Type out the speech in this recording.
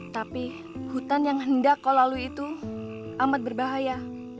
tapi hutan yang hendak kau lalui itu amat berbahaya